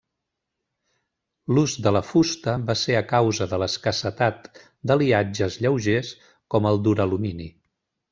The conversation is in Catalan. L'ús de la fusta va ser a causa de l'escassetat d'aliatges lleugers com el duralumini.